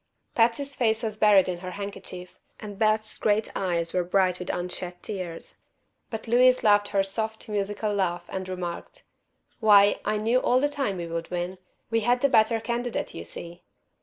Patsy's face was buried in her handkerchief, and Beth's great eyes were bright with unshed tears. But Louise laughed her soft, musical laugh and remarked: "Why, I knew all the time we would win. We had the better candidate, you see."